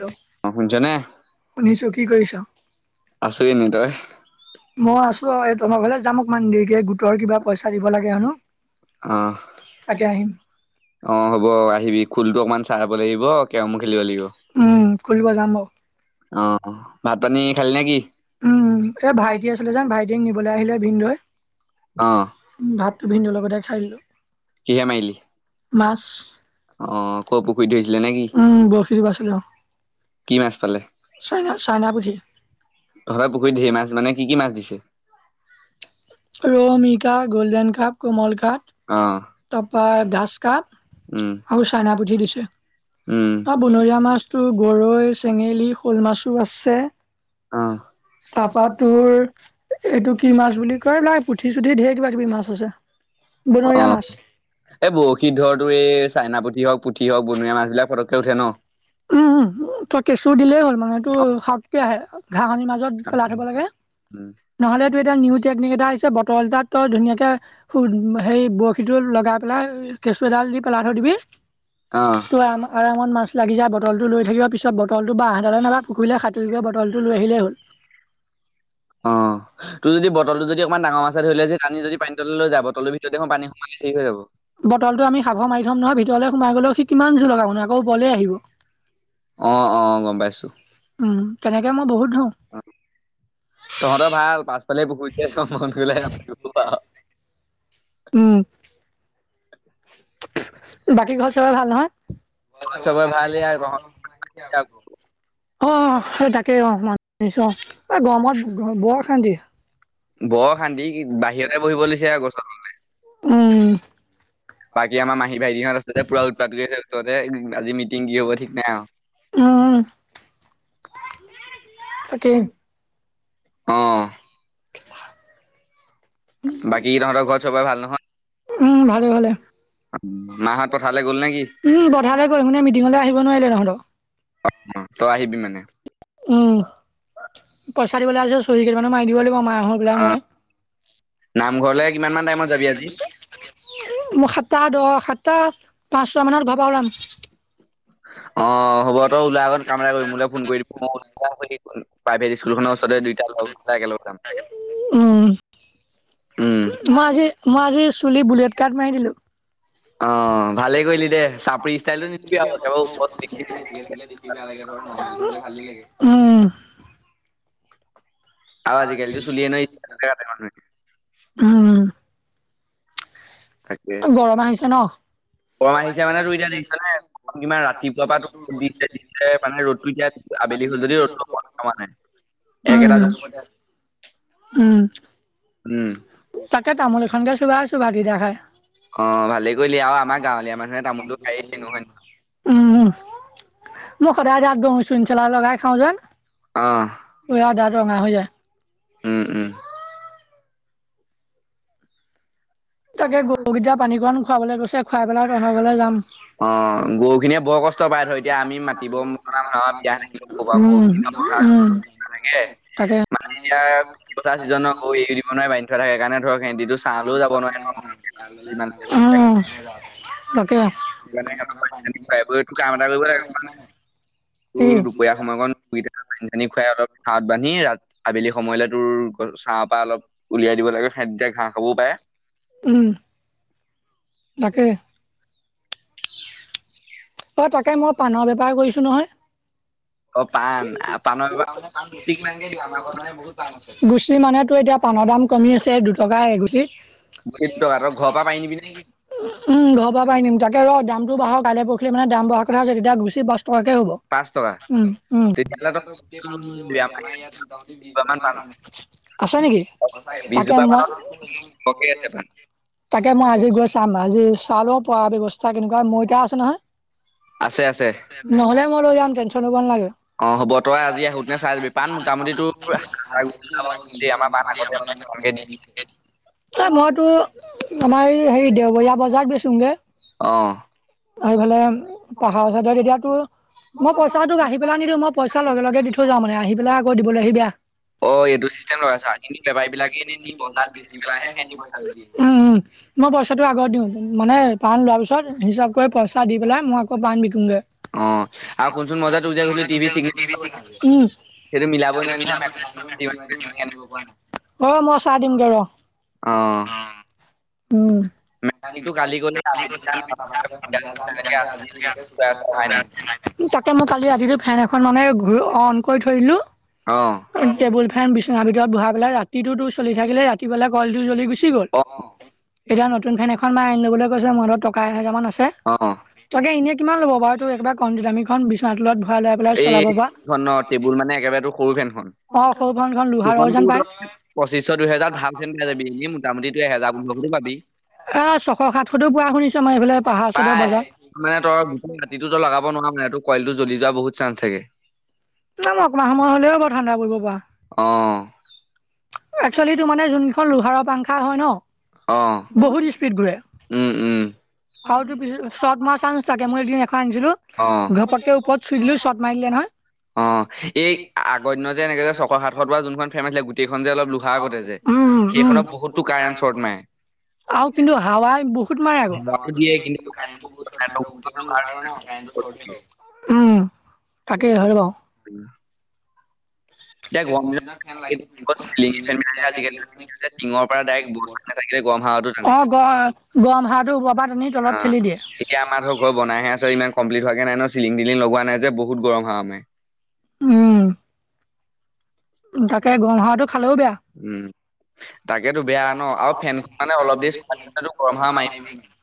Hello অ শুনছ নে শুনিছো কি কৰিছ? আছো এনে তই। মই আছো এই তোমাৰ ফালে যামক মান দেৰিকে গোটৰ কিবা পইচা দিব লাগে হেনো। অ তাকে আহিম। অ হ'ব আহিবি খুলটো অকমান। চাব লাগিব কেৰমো খেলিব লাগিব। উম কৰিব যাম। অ ভাত পানী খালি নে কি উম এ ভাইটি আছিলে যোন ভাইটিক নিবলৈ আহিলে ভিনদৈ। অ খাই দিলো। কিহে মাৰিলি মাছ অ ক পুখুৰীত ধৰিছিলি। উম ব ফ বাচল। কি মাছ পালে। চাইনা চাইনা পোথি। তব পুখুৰীত ধঢেৰ মাছ মানে কি কি মাছ দিছে। ৰমিকা গোল্ডেন কাপ কমল অ কাৰাপ। তাৰপা গাজ কাপ উম আৰু চাইনা পুঠি দিছে। উম অ বনৰীয়া মাছতো গৰৈ চেঙেলী শ'ল মাছো আছে। অ তাৰপা তাৰপত তোৰ এইটো কি ভ। ক বাই পুঠি চুঠি ধঢেৰ কিবা কিবি মাছ আছে, অ বনৰীয়া মাছ। এই বৰশীত ধৰ তো এই চাইনা পুঠি হওক পুঠি হওক বনীয়া মাছ বিলাক পটককে উঠে ন। উম তই কেঁচু দিলেই হ'ল মানে এইটো সওকে আহে। ঘাঁহ খনিৰ মাজত পেলাই থ'ব লাগে, নহ'লেতটো এতিটা নিউ। নিগ এটা আহিছে বতৰত গাত ধুনীয়া কে হেৰি বৰশী টো। লগাই পেলাই কেঁচু এডাল দি পেলাই থ দিবি, অ ত আৰামত মাছ লাগি যায়। বটলটো লৈ থাকিব পিছত বটলটো বা আহডালে নলা পুখুৰীে সাটোৰিব বটলটো লৈ আহিলেই হ'ল। অ তোৰ যদি বটল তটো যদি অকমান ডাঙৰ মাছছে ধৰি ললে যে পানি যদি পানী তল লৈ য বটলটোৰ ভিতৰত দেখোন পানী। ঠিক হৈ যাব। বটলটো আমি সাফৰ মাৰি থ'ম নহয় ভিতৰলে সোমাই গ'লেও সি কিমান জোৰ লগাব নহ আকৌও ববলেই আহিব। আহ অ গম পাইছো। ব। তহঁতৰ ভাল পাছফালে পুখুৰীত আছো মন গলে। উম। বাকী ঘৰ সবাই ভাল চবৰে নহয়। ভাল এয়া তহঁত অ সেই তাকেই অ ম। নিশ্চ এই গৰমত ব খানদি। বৰ শান্তি বাহিৰতে বহিব লৈছে গচলে। উম, বাকী আমাৰ মাহী বাইীহত আচলতে পৰা উপাত কৰিছে উৰতে। আজি মিটিং কি হ'ব ঠিক নাই আৰু। উম, তাক। অ। বাকী তহঁতৰ ঘৰত চবৰে ভাল নহয় উম ভালে ভালে। মাহঁত পথাৰলৈ গ'ল নে কি উম বধালে গ মে মিটিঙলৈ আহিব নোৱাৰিলে তহঁতক। অ অ তই আহিবি মানে। উম, পইচা দিবলৈ আহিছে চৰি কেই মানে মাৰি দিব লাগিব মাক [unintelligible] অ মই। নামঘৰলে কিমান মান টাইমত যাবি আজি মোৰ সাতটা দহ সাতটা পাঁচ। চ মানত ঘৰ পা ওলাম। অ হ'ব তই ওলাই আকৌ কাম এটা কৰি মো ফোন কৰি দিব মই ল [unintelligible] প্ৰাইভেট স্কুল খনৰ ওচৰতে দুইটা লগটা একেলগ যাম। উম, উম মই আজি মই আজি চুলি বুলেট কাট মাৰি দিলো। অ ভালেই কৰিলি দে চাপৰি ষ্টাইলটো [unintelligible] ভাল ল উম। আৰু আজিকালিতো চুলিয়ে ন ইষ্টাৰ কাটে মানুহে উম গৰম আহিছে ন। কম আহিছে মানে তু এতিয়া দেখিছহে ইমান ৰাতিপুৱা পৰা মানে ৰ'দটো এতিয়া আবেলি হল যদি ৰ'দটো ব মানে। উম, একেটা। উম, উম তাকে তামোল এখনকে চোবাই আছো ভাত কিতা খাই। অ ভালেই কৰিলি আৰু আমাৰ গাঁৱলীয়া মানুহে তামোলটো খায়েই নহয় উম। মোক সদায় দাত ধোও চিন চেলা লগাই থও যে আহ, উম উম। তাকে গৰুকেইতা পানীকণ খুৱাবলৈ গৈছে খুৱাই পেলাই তহঁতৰ ঘৰলৈ যাম। অ গৰুখিনিয়ে বৰ কষ্ট পায় ধৰ এতিয়া আমি মাতি উম, উম, ৰুগে তাকে। মানে এতিয়া খেতিপথাৰ চিজনত গৰু এৰি দিব নোৱাৰে বান্ধি থোৱা থাকে কাৰনে ধৰক সেহতিটো চাহলেও যাব নোৱাৰে। ন যিমান উ কে মানে সিহঁতক পানী চানী খুৱাই বোৱাই তোৰ কাম এটা কৰিব লাগিব তোৰ দুপৰীয়া সময়কণ [unintelligible] পানী খুৱাই অলপ চাঁত বান্ধি ৰা আবেলি সময়লৈ তোৰছ চাহপ পৰা অলপ উলিয়াই দিব লাগে খাদ্য উম তাকে [unintelligible] অ তাকে মই পাণৰ বেপাৰ কৰিছোঁ নহয় অ' পাণ পানে আ, পাণৰ লে বেপাৰ টকা আমাৰ ঘৰ মানে বহুত পান আছে গুচ চি মানেতো এতিয়া পানৰ দাম কমি আছে দুটকা এগুচি তই উম ঘৰ ঘৰৰ পৰা পাৰি নিবি নে পৰা পাই নিম তাকে ৰ দামটো বাঢ়ক কাইলে পৰহিলে মানে দাম বঢ়া কথা আছে তেতিয়া গুচি পাচ টকাকে হ'ব পাঁচ টকা তেতিয়াহ'লে ত গোটেই পাণ বিক্ৰী কৰিব পাৰিবি আমাৰ ইয়াত মোটামুটি এজোপামান পাণ বিশ [unintelligible] আছে নেকি আছে তাকে বিশজোপা মই মানত সৰহকে আছে পাণ। তাকে মই আজি গৈ চাম আজি চালেও পৰা ব্যয়ৱস্থা কেনেকুৱা মই এতিয়া আছে নহয় আছে আছে নহলে মই লৈ যাম টেনচন হ'ব নালাগে [unintelligible] অ' হ'ব [unintelligible] তই আজি আহোঁতেনে চাই যাবি পাণ মোটামুটি তোৰ দেই আমাৰ পাণ আগতে মানে সিমানকে দিছে মইতো আমাৰ এই হেৰি দেওবৰীয়া বজাৰত বেচোংগে অ' এইফালে পাহাৰ চাইতে এতিয়া তোৰ মই পইচা তোক আহি পেলাই নিদিওঁ মই পইচা লগে লগে দি থৈ যাও মানে আহি পেলাই আকৌ দিবলৈ আহি বেয়া অ' উম এইটো চিষ্টেম উম লগাইছা কিন্তু বেপাৰী বিলাকে নিনি বন্ধাত বেচি পেলাইহে সিহঁতি পইচা মই পইচাটো আগত দিওঁ মানে পাণ লোৱাৰ পিছত হিচাপ কৰি পইচা দি পেলাই মই আকৌ পাণ বিকোংগে অ আৰু [unintelligible] শুনচোন মই যে দি তোক যে কৈছিলো টিভি চিগনেল দিদিবই লাগে সেইটো মিলাব নোৱাৰিলো নহয় মেকানিক। অ মই চাই দিমগে ৰ অ উম [unintelligible] মেকানিকটো কালি গ'লে আবেলি যাম তেনেকে অহাই নাই তাকে মই কালি ৰাতিটো ফেন এখন মানে ঘূৰি অন কৰি থৈ দিলো অ টেবুল ফেন বিচনাৰ ভিতৰত বৰাই পেলাই ৰাতিটোতো চলি থাকিলে ৰাতি পেলাই কলটো জ্বলি গুচি গ'ল অ [unintelligible] এতিয়া নতুন ফেন এখন বা আনি লবলৈ কৈছে মোৰত টকা এহেজাৰ মান আছে অ আগে এনে কিমান লবাৰু এই একাৰ কম দামীখন বিচনা তলত ভৰাই লৈ পেলাই চলাব পৰা। এইখন ন টেবুল মানে একেবাৰে তোৰ সৰু ফেনখন অ' সৰু ফেনখন লোহাৰৰ সেখন যেন [unintelligible] পায়। ত পচিশ দুইহেজাৰ ভাল খে পাই যাবি এনে মোটামুিই এহেজাৰ বুলি বুলি পাবি [unintelligible] এ ছশ সাতশতো পোৱা শুনিছো মমাৰ এইফালে পাহাৰ চডৰ বজাৰ [unintelligible] ত গ ৰাতিটোতো লগাব নোৱাৰা মানেটো কইলটো জ্বলি যোৱা বহুত চান্স থাকে [unintelligible] ন মই অকণমান সময় হলেও বাৰ ঠাণ্ডা পৰিব পৰা আহ এক্চুৱেলি টো মানে যোন কেইখন লোহাৰৰ পাংখা হয় ন অ বহুত স্পীড ঘূৰে উম উম আৰু তোৰ পিছত শট ম আ চানচ থাকে মই এদিন এখন আনিছিলো ঘপককে ওপৰত চুই দিলো অ চট মাৰিলে নহয় অ এই আগদিন যে এনেকে যে চকৰ সাতত বা যোনখন ফেমাচে গোটেই [unintelligible] উম উম বহুতো কাৰেণ্ট শ্বৰ্ট মাৰে আৰু কিন্তু হাৱা বহুত মাৰে আকৌ ধোৱাটো হাৱ দিয়ে কিন্তু কাৰেণ্টৰ উৎসত লোহাৰ শ্বৰ্ট দিয়ে। উম তাকেই হয় বাও উ [unintelligible] গে আজি টিঙৰ পৰা ডাইৰেক্ ব গৰম [unintelligible] অ গ গম হাঁহটো ওপৰৰ পৰানি অ তলত ঠেলি দিয়ে ক্ হোৱে ন চিলিং দিলি লগোৱা নাই যে বহুত গৰম হাৱা মাৰে [unintelligible] উম তাকে উম তাকেতো বেয়া ন হল ফেনখন মানে আৰু অলপ দেৰি দে চলাই থাকিলেতো গৰম হাৱা গৰহা মাৰিব [unintelligible]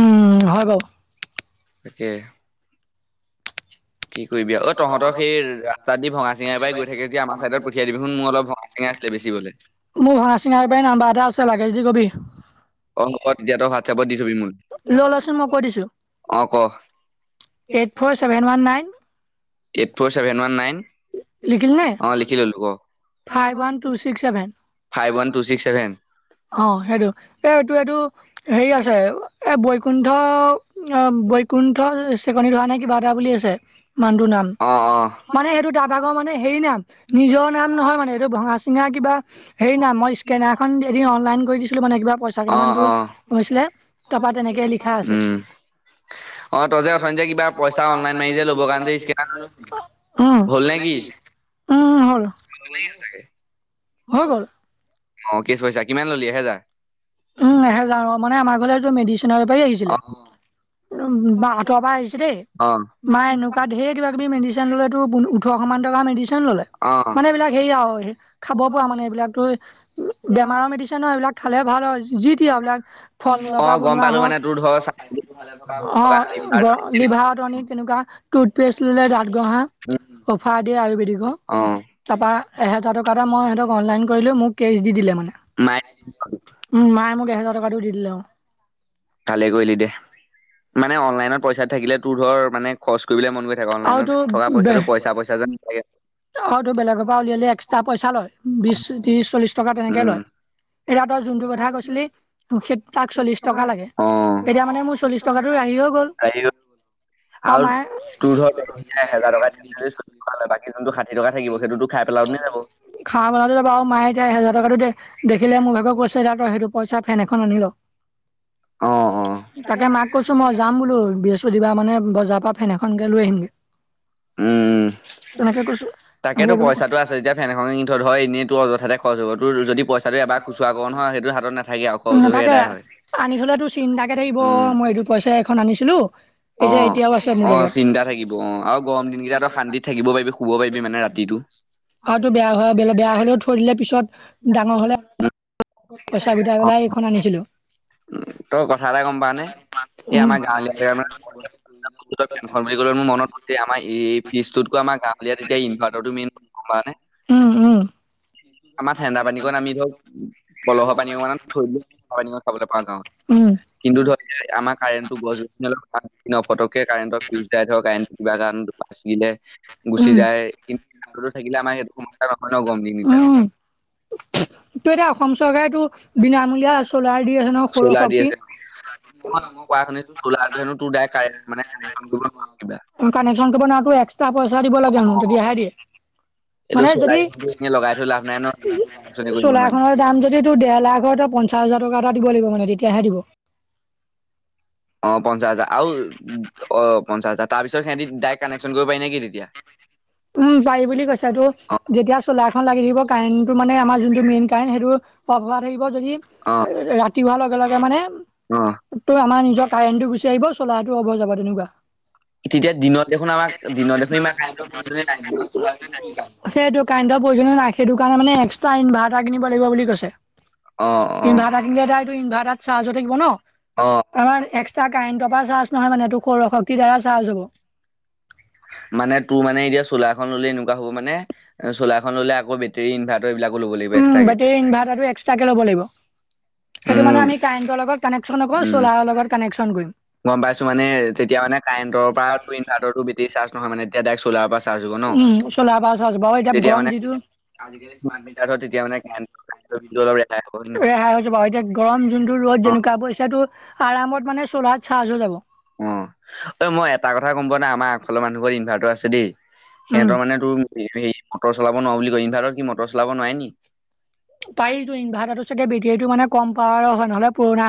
উম হয় বাৰু তাকে কি কৰিবি অ তহঁতৰ সেই ৰাস্তাত দি ভঙা চিঙাৰ পৰাই গৈ থাকে যে আমাৰ চাইডত পঠিয়াই দিবিচোন মোৰ অলপ ভঙা চিঙা বেছি বলে মোৰ ভঙা চিঙা বেপাৰীৰ নাম্বাৰ এটা আছে লাগে যদি কবি। অ' হ'ব তেতিয়া তই হোৱাটছএপত দি থবি মোলে লৈ লচোন মই কৈ দিছো। অ' ক eight four seven one nine eight four seven one nine [inaudible] অ' লিখি ল'লো ক five one two six seven five one two six seven অঁ সেইটো এই এইটো এইটো হেৰি আছে এ বৈকুণ্ঠ বৈকুণ্ঠ চেকনি ধৰা নাই কিবা এটা বুলি আছে মানুহটো নাম অ' অ' মানে সেইটো তাৰ ভাগৰ মানে হেৰি নাই [unintelligible] নিজৰ নাম নহয় মানে এইটো ভঙা চিঙা কিবা হেৰি নাম মই স্কেনাৰখন অনলাইন কৰি দিছিলো মানে কিবা পইচা আহ কেইটামানতো অ হৈছিলে তাৰপা তেনেকে লিখা আছে উম অ তই যে অথনি যে কিবা পইচা অনলাইন মাৰি যে ল'ব। কাৰণে যে স্কেনাৰ উম হল নে কি? উম হল নেকি সচাকে [unintelligible] হৈ গ'ল অ কেছ পইচা কিমান ললি এহেজাৰ উম এহেজাৰ মানে আমাৰ ঘলেটো মেডিচনে বেপাৰী আহিছিলে অ' উম বা আঁত পৰা আহিছে দেই অ' মা এনেকুৱা ঢেৰ কিবা কিবি মেডিচিন ললেতো [unintelligible] ওঠৰশমান টকা মেডিচিন ল'লে। অ' মানে এইবিলাক হেই আৰু খাব পৰা মানে এইবিলাকতো বেমাৰৰ মেডিচন এইবিলাক খালে ভাল হয়। যি এইবিলাক ফল মূলপা অ' গম বনোৱা পালো হওক মানে তোৰ ধৰ চাইছিলো অঁ লিভাৰ ফটোওনিত তেনেকুৱা টোষ্ট পেষ্ট ললে দাত গুহা [unintelligible] অফাৰ দিয়ে আয়ুবেদিকৰকৰ। অ' তাৰপৰা এহেজাৰ টকা এটা মই হঁতক অনলাইন কৰিলোঁ মোক কেছ দি দিলে মানে। মায় [unintelligible] উম মায়ে মোক এহেজাৰ টকাটো দি দিলে আৰু। ভালে কৰিলি দে মানে অনলাইনত পইচাত থাকিলে তোৰ ধৰ মানে খৰচ কৰিবলৈ মন গৈ থাকে অনলাইনত থকা পইচাটো পইা পইচা যেন নালাগে। অ', টোৰ বেলেগৰ পৰা উলিয়ালে এক্সট্ৰা পইচা লয় বিশ ত্ৰিশ চল্লিশ টকা তেনেকে উম লয়। এতি তই যোনটো কথা কৈছিলি তাক চল্লিশ টকা লাগে। অ তেতিয়া মানে মোৰ চল্লিশ টকাতটো ৰাহি হৈ গ'ল। হেৰি আৰু আম [unintelligible] [unintelligible] বন তোৰ ধৰ যাবা আৰু এহেজাৰ টকা বাকী যোনটো ষাঠি টকা থাকিব সেইটোতো খাই পেলাও নে যাব মায়ে এতিয়া হেজাৰ টকাটো দেখিলে মোক ভাগৰ কৈছে তই সেইটো পইচা ফেন এখন আনি ল। অ অ তাকে মাক কৈছো মই যাম বোলো বৃহস্পতিবাৰে মানে বজাৰ পৰা ফেন এখন লৈ আহিমগৈ। উম', হ'ব তাকেতো বুলি কৈছো। পইচাটো আছে যেতিয়া ফেন এখন কিনি থহ ধৰ এনেইতো অয তাতে খোৱা [unintelligible] যদি পইচাটো এবাৰ খুচুৰা কৰ নহয় সেইটো হাতত নাথাকে আৰু খৰচ হৈ নাথাকে এদায় হয়। অ', মই এইটো পইচা এখন আনিছো। অ'-অ', চিন্তা থাকিব অ আৰু গৰম দিন কেইটা শান্তিত থাকিব পাৰিবি শুব পাৰিবি মানে ৰাতিত টো [inaudible] আৰুটো বেয়া হ বে বেয়া হলেও থৈ দিলে পিছত ডাঙৰ হলে উম'। পইচা গোটাই পেলাই এইখন আনিছিলো। তই কথা এটা গম পাৱনে? উম'। বস ফেনখন'লে মোৰ মনত ম আমাৰ এই ফিজতক আমাৰ গাঁৱলাত এতিয়া ইনভাতাৰটো মেইন। হয় নে? উম উম আমাৰ ঠেণ্ডা পানীকণ আমি ধৰক কলহৰ পানী অকণ থৈ দিলো পানীকণ খাবলৈ পাওঁ গাঁৱত। উম। কিন্তু ধৰ আমাৰ কাৰেণ্টটো গছ-গছ [unintelligible] ফটককে কাৰেণ্টৰ ফিউজ দাই ধৰ কাৰেণ্টটো কিবা এ চ দিলে গুচি যায় কিন্তুো থাকিলে আমাৰ সেইটো সমস্া নহয় ন গম দিন কীতাত। দিনত। ত এতিয়া অসম চৰকাৰে টো বিনামূলীয়া চোলাৰ দি আছে নহ সৰু চ'লাৰ দি শক্তি। আছে। কোৱা শুনিছোঁ চ'লাৰটো হেনো তোৰ ডাইৰেক্ট কাৰেণ্ট মানে কানেকচন কৰিব নোৱাৰি কিবা [unintelligible] কানেকশ্যনটো বনটো এক্সট্ৰা পইচা দিব লাগে ন তেতিয়া হে দিয়ে। এইটো মানে চলাই যদি এনে লগাই থৈ লাভ নাই ন কানেকচনে কৰিব নোৱাৰিম চোলাখনৰ দাম যদি তোৰ দেৰ লাখৰ হয় তই পঞ্চাছ হাজাৰ টকা এটা দিব লাগিব মানে তেতিয়াহে দিব৷ অ', পঞ্চাশ হাজাৰ আউ, অ', পঞ্চাছ হাজাৰ তাৰপিছত সিহঁতি ডাইৰেক্ট কানেকশ্যন কৰিব পাৰি নে কিি তেতিয়া? উম', পাৰি বুলি কৈছেটো অ যেতিয়া চলাৰখনন লাগি থাকিব কাৰেণ্টটো মানে আমাৰ যোনটো মেইন কাৰেণ্ট সেইটো হ থাকিব যদি অ ৰাতি হোৱাৰ লগে-লগে মানে অ তটো আমাৰ নিজৰ টাইনটো গুচি আহিব চলাহটো হব যাব তেনেকুৱা। তেতিয়া দিনত দেখোন আমাক দিনৰত দেখোন ইমান [unintelligible] সেইটো কাৰেণ্টৰ প্ৰয়োজন নাই। সেইটো কাৰণে মানে এক্সট্ৰা ইনভাৰ কিনিব লাগিব বুলি কৈছে। অ অ ইনভাৰ্টাৰ কিনিলে এইটো ইনভাৰ্টাৰ চাহ্জত থাকিব ন। অ আমাৰ এক্সট্ৰা কাৰেণ্টৰ পৰা চাৰ্জ নহয় মানে এইটো সৌৰ শক্তিৰ দ্বাৰা চাৰ্জ হ'ব। মানে তোৰ মানে এতিয়া চোলা এখন ললে এনেকুৱা হ'ব মানে। চ'লাৰখন ললে আকৌ বেটৰী ইনভাৰ্টাৰ এইবিলাকো ল'ব লাগিব উম এক্সট্ৰাকে। বেটেৰী ইনভাৰ্টাৰটো এক্সট্ৰাকে ল'ব লাগিব। সেইটো মানে উম'-উম'। আমি কাৰেণ্টৰ লগত কানেকশ্যন নকৰোঁ চ'লাৰৰ লগত কানেকশ্যন কৰিম। গম পাইছো মানে তেতিয়া মানে কাৰেণ্টৰ পৰা টো ইনভাৰটৰটো বিটি চাৰ্জ নহ মানে এতিয়া ডাইৰে্ট চলাৰ পৰা চাৰ্জ হ'ব ন? উম', চলাৰৰ পৰা চাৰ্জ বাৰু এতিয়া [unintelligible] তেতিয়া মানে ধৰ তেতিয়া মানে কাৰেণ্টৰ বিলটো অলপ ৰেহাই হ'ব হয় নে নহয়? এতিয়া গৰম যোনতটো ৰ'ত অ যেনেকুৱা পৰিছে টোৰ, আৰামত মানে চলাত অ-অ মই এটা কথা গম পোৱা নাই আমাৰ ঘৰ মানুহ ঘৰ ইনভাৰ্টাৰ আছে দেই৷ উম। সিহঁতৰ মানে তোৰ হেৰি মটৰ চলাব নোৱাৰো বুলি কয় ইনভাৰ্টত কি মটৰ চলাব নোৱি নি পাৰিটো ইনভাৰ্টাৰটোৰ বেটেৰীটো চাগে কম পাৱাৰ হয় নহলে পুৰণা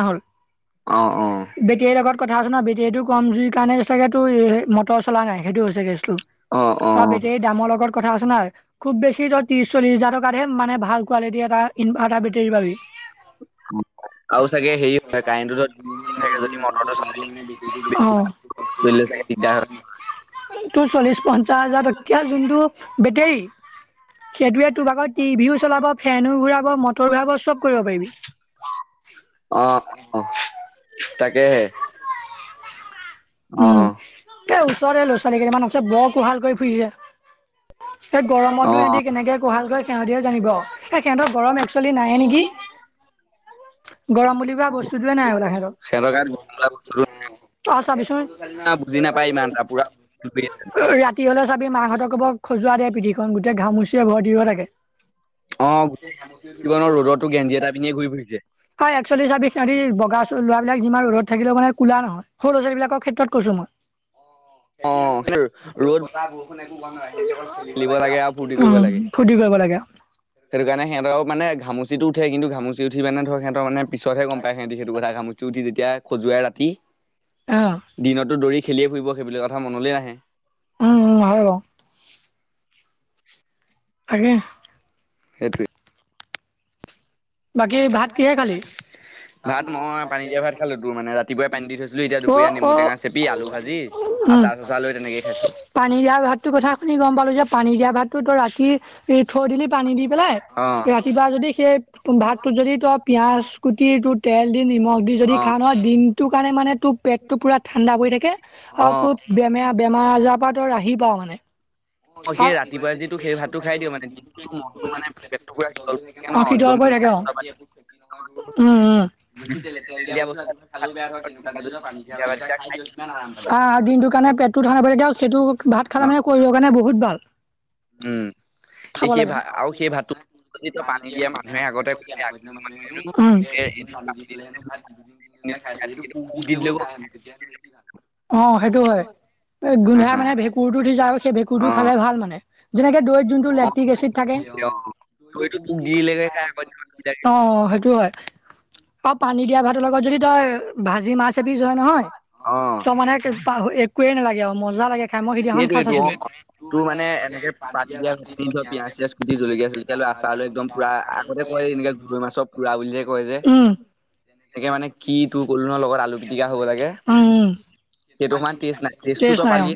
অ অ হ'ল৷ বেটিয়ে লগত কথা হৈছে ন বেটিয়েটোক কম জুই কাণে চাগেত তোৰ মটৰ চলা নাই সেইটো হৈছে কেছটো অ বেটেৰী দামৰ লগত কথা আছ নহ খুব বেছি তই ত্ৰিশ চল্লিশ হাজাৰ টকাতহে মানে ভাল কোৱালিটি এটা এটা বেটেৰীৰ পাবি৷ আৰু চাগে হ হয়ত দুনে যদি মটৰটো চলাই দ মানে বিক অ দিলে চাগে দিগদাৰ হয়। টো চল্লিছ পঞ্চাছ হাজাৰ টকীয়া যোনটো বেটেৰী সেইটোয়ে তোৰ আক' টিভিও চলাব ফেনো ঘূৰাব মটৰ ঘূৰাব চব কৰিব পাৰিবি৷ অহ-অহ তাকেহে৷ অ উম এ ওচৰৰেতে ল'ৰা ছোৱালী কেইটামান আছে বৰ কোহাল কৰি ফুৰিছে৷ এই গৰমতো অ ইহঁতি কেনেকে কোহাল কৰে সিহতিয়ে জানিব আউ! এই সিহঁতক গৰম একচোৱেলি নাই এ নেকি! অ গৰম বুলি কোৱা বস্তুতোৱে নাই সেহতৰ সিহঁতৰ গাত গৰম অ চাবিচোন বুজি নাপায় ইমান এটা পুৰা ৰাতি হলে চাবি মাকহঁতক কব খজুৱা দে পিঠি খন গোটেই ঘামুচিয়ে ভয় দিব থাকে৷ অ ৰ'দতো গেঞ্জি এটা পিন্ধিয়ে ঘূৰি ফুৰিছে৷ হয় একচলি চাবি সিহতি বগা চ লৰা বিলাক সিমান ৰ'দত থাকিলে মানে কলা নহয় সৰু ল' ছালীবলাকৰ ক্ষেত্ৰত কৈছো মই৷ অ সেইদিনানে আৰু লগত ৰ'দ বতাহ বৰষুণ একো পোৱা নাই [unintelligible] খেলিব লাগে আৰু ফূৰ্তি কৰিব উম লাগে ফু্তি কৰিব লাগে [unintelligible] সেইটো কাৰণে সিহঁতৰ মানে ঘামচিটো উঠে কিন্তু ঘামচি উঠি পিনে ধৰ সিঁতৰ মানে পিছতহে গম পায় সহঁতি সেইটো কথা ঘামুছি উঠি যেতিয়া খজুৱাই ৰাতি অ'। দিনতো দৌৰি খেলিয়ে ফুৰিব সেইবিলাক কথা মনলৈ নাহে। উম-উম হয় বাৰু৷ তাকে সেইটোৱে বাকী ভাত কিহে খালি? অ ভাত মই পানী দিয়া ভাত খালো তোৰ মানে ৰাতিপুৱাই পানী দি থৈছিলো এতিয়া দুপৰীয়া নেমু অ টেঙা চেপি আলু ভাজি উ আচাৰ চাচাৰ লৈ তেনেকেই খাইছো পানী দিয়া ভাত কথা শুনি গম পাল- যে পানী দিয়া ভাতটো ৰাতি থৈ দিলি পানী দি পেলাই অ ৰাতিপুৱা যদি সেই ভাতটো যদি তই পিয়াজ কুটি তোৰ তেল দি নিমখ দি যদি খাও নহয় দিনটো কাৰণে মানে তো পেটতটো পুৰা ঠাণ্ডা পৰি থাকে অ আৰু অ খুব বেমেয়া বেমাৰ আজাৰৰ পৰা তো ৰাহি পাও মানে৷ অ সেই ৰাতিপুৱাই যিটো সেই ভাতটো খাই দিওঁ মানে দিনটো মনটো মানে পেটটো পুৰা শীতল পৰি থাকে ন [unintelligible] সিতল একদম পৰি থাকে খাই অ৷ চাবা ওম ওম নুবুজিলে তেল বিচাৰি দিয়া বস্তু এটা ৰাতিপুৱা খালেও ভাত বেয়া হয় তেনেকুৱাত কেতিয়াবা যদি পানী তিয়া সন্ধিয়া পানী ভাত কেটা কেইটা খাই দিয় দিওঁ তাত। আহ দিনটোৰ কাৰণে পেটটো ধ পতি সেইটো ভাত খালে অ মানে শৰীৰৰ কাৰণে বহুত ভাল৷ উম এই খাব সেই লাগে ভাত আৰু সেই ভাতটো যদি সে তই পানী দিয়ে ন দিয়া [unintelligible] [unintelligible] সেইবোৰ খাই মানুহে আগতে কৰিলে আগতে মানুহেনো এ এদিন পানী দি দিছিলোঁ, এদিন খাই দিছিলোঁ, তোক দি দিলেও অ থাকে তেতিয়া সেনো বেছি ভাল। অ সেইটো হয় গোন্ধাই মানে ভেঁকুৰ টো দি যা সেই ভেঁকুৰ টো অ খালে ভাল মানে। যেনেকে দৈত যোনটো অ, লেক্টিক এচিড থাকে তোক দিয়ে, অ, তোক এইটো তোক দিলেগে খাই আকৌ দিনত নিদিয়াকে। অ সেইটো হয় আৰু পানী দিয়া ভাতৰ লগত যদি তই ভাজি মাছ এপিছ যদি হয় নহয় অ ত মানে পাহৰি একোৱে নালাগে আৰু মজা লাগে খাই মই সিদিনাখন খাই সেইটোৱেইটো অ চাইছিলো। তোৰ চেচ কুটি জলকীয়া চলকীয়া লৈ আচাৰ লৈ একদম পুৰা আগতে কয় যে এনেকে গৰৈ মাছৰ পুৰা বুলি যে কয় যে উম। এনেকে মানে কি তোৰ ক'লো নহয় উম সেইটো সমান টেষ্ট নাই টেষ্টটো তেষ্ট তই নাই অ পালিয়ে